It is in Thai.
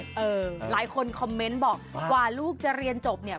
หลายคนคอมเมนต์บอกกว่าลูกจะเรียนจบเนี่ย